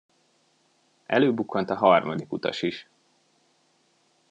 Előbukkant a harmadik utas is.